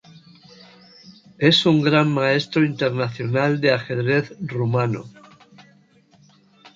Es un Gran Maestro Internacional de ajedrez rumano.